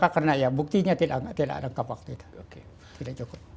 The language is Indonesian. karena ya buktinya tidak lengkap waktu itu tidak cukup